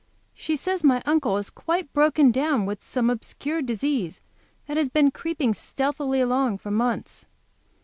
She says my Uncle is quite broken down with some obscure disease that has been creeping stealthily along for months.